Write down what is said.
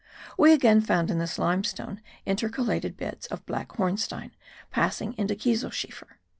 We again found in this limestone intercalated beds of black hornstein, passing into kieselschiefer.